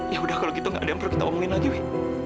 ya udah kalau gitu gak ada yang perlu kita omongin lagi